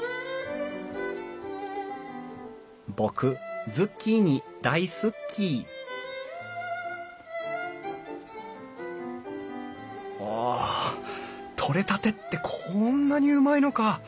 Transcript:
僕ズッキーニ大好っきお取れたてってこんなにうまいのか！